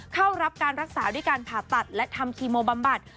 เข้ารับการรักษาด้วยการผ่าตัดและทำคีโมบำบัด